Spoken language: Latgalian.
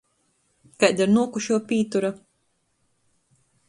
Kaida ir nuokušuo pītura?